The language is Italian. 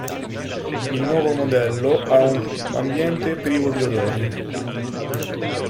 Il nuovo modello ha un ambiente privo di odori.